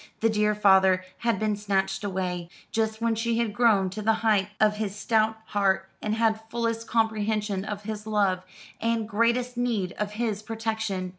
The dear father had been snatched away: just when she had grown to the height of his stout heart, and had fullest comprehension of his love, and greatest need of his protection.